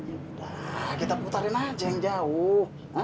ya udah kita putarin aja yang jauh